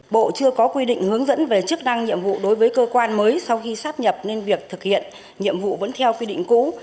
bộ chưa có quy định hướng dẫn về chức năng nhiệm vụ đối với cơ quan mới sau khi sắp nhập nên việc thực hiện nhiệm vụ vẫn theo quy định cũ